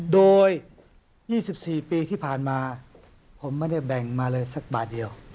โดย๒๔ปีที่ผ่านมาผมไม่ได้แบ่งมาเลยสักบาทเดียว